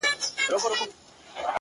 ها ښکلې که هر څومره ما وغواړي؛